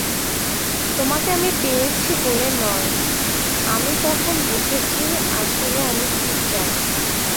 তোমাকে আমি পেয়েছি বলে নয়, আমি তখন বুঝেছি আসলে আমি কী চাই।